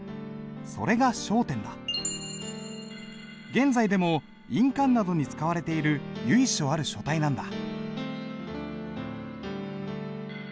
それが現在でも印鑑などに使われている由緒ある書体なんだ。